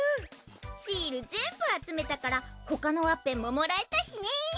シール全部集めたから他のワッペンももらえたしね。